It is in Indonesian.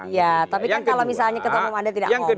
iya tapi kan kalau misalnya ketemu anda tidak ngomong